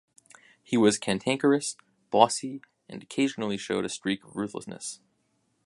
He was cantankerous, bossy and occasionally showed a streak of ruthlessness.